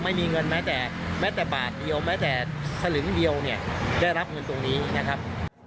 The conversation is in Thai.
ไม่มีเงินแม้แต่แม้แต่บาทเดียวแม้แต่สลึงเดียวเนี่ยได้รับเงินตรงนี้นะครับ